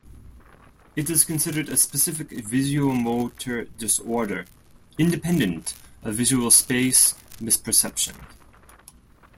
It is considered a specific visuomotor disorder, independent of visual space misperception.